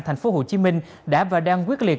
thành phố hồ chí minh đã và đang quyết liệt